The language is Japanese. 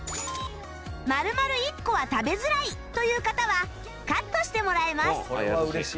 丸々１個は食べづらいという方はカットしてもらえます